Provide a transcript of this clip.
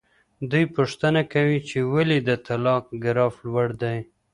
دوی پوښتنه کوي چې ولې د طلاق ګراف لوړ دی.